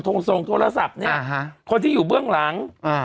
ทุ่งส่งโทรศัพท์เนี่ยอ๋าฮะคนที่อยู่เบื้องหลัง